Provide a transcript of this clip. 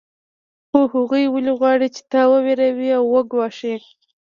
خو هغوی ولې غواړي چې تا وویروي او وګواښي